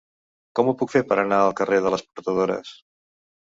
Com ho puc fer per anar al carrer de les Portadores?